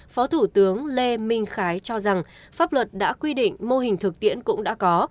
phó thủ tướng lê minh khái cho rằng pháp luật đã quy định mô hình thực tiễn cũng đã có